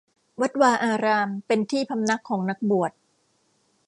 วัดวาอาราม เป็นที่พำนักของนักบวช